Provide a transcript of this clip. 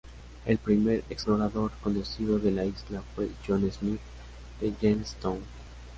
El primer explorador conocido de la isla fue John Smith de Jamestown.